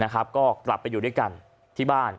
ก็กลับไปอยู่ด้วยกันที่บ้าน